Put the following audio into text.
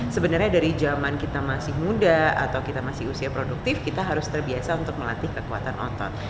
sebenarnya dari zaman kita masih muda atau kita masih usia produktif kita harus terbiasa untuk melatih kekuatan otot